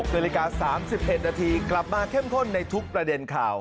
นาฬิกา๓๑นาทีกลับมาเข้มข้นในทุกประเด็นข่าว